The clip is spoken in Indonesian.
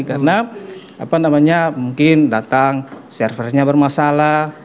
karena mungkin datang servernya bermasalah